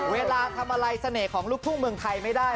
เวลาทำอะไรเสน่ห์ของลูกทุ่งเมืองไทยไม่ได้